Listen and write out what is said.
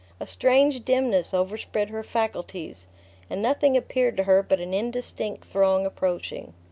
A strange dimness overspread her faculties, and nothing appeared to her but an indistinct throng approaching.